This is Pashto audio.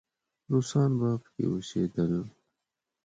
روسان به پکې اوسېدل.